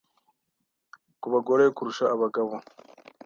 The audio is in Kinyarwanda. ku bagore kurusha abagabo